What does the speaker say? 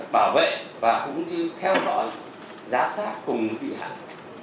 bảo vệ và cũng theo dõi giá thác cùng vị hạng